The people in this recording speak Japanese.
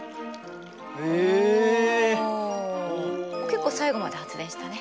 結構最後まで発電したね。